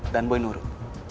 dan boy nurut